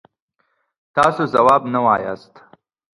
تاسو ځواب نه وایاست.